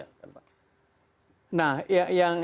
kan pak nah